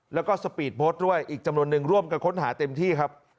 แล้วก็สปีดโบสต์ด้วยอีกจำนวนนึงร่วมกันค้นหาเต็มที่ครับ